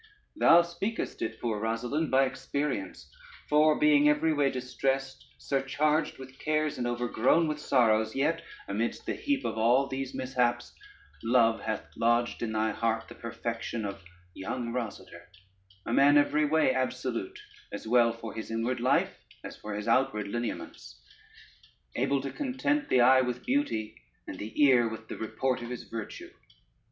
Thou speakest it, poor Rosalynde, by experience; for being every way distressed, surcharged with cares, and overgrown with sorrows, yet amidst the heap of all these mishaps, love hath lodged in thy heart the perfection of young Rosader, a man every way absolute as well for his inward life, as for his outward lineaments, able to content the eye with beauty, and the ear with the report of his virtue.